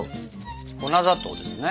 粉砂糖ですね。